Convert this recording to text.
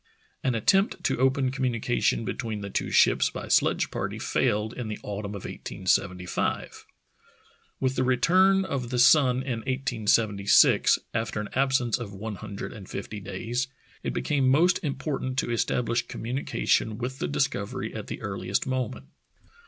An at tempt to open communication between the two ships by sledge party failed in the autumn of 1875. With the return of the sun in 1876, after an absence of one hundred and fifty days, it became most important to establish communication with the Discovery at the earliest moment.